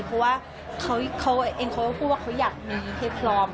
เพราะว่าเขาเองเขาก็พูดว่าเขาอยากมีให้พร้อม